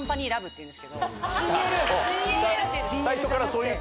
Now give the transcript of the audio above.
ＣＬっていうんですけど。